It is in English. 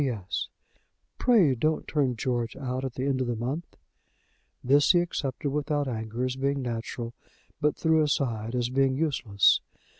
"P.S. Pray don't turn George out at the end of the month." This he accepted without anger as being natural, but threw aside as being useless.